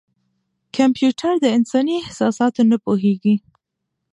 کمپیوټر د انساني احساساتو نه پوهېږي.